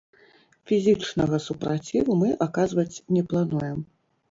Фізічнага супраціву мы аказваць не плануем.